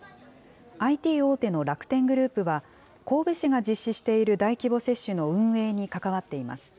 ＩＴ大手の楽天グループは、神戸市が実施している大規模接種の運営に関わっています。